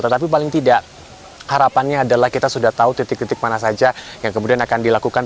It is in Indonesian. tetapi paling tidak harapannya adalah kita sudah tahu titik titik mana saja yang kemudian akan dilakukan